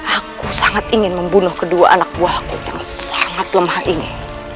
aku sangat ingin membunuh kedua anak buahku yang sangat lemah ini